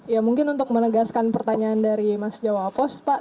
ya mungkin untuk menegaskan pertanyaan dari mas jawa apos pak